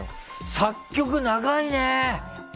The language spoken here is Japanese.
作曲、長いね！